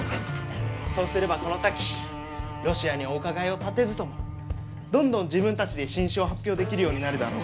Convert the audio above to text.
そうすればこの先ロシアにお伺いを立てずともどんどん自分たちで新種を発表できるようになるだろう？